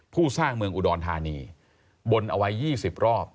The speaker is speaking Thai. สร้างเมืองอุดรธานีบนเอาไว้๒๐รอบ